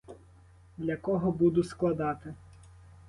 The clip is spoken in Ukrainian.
Для кого буду складати?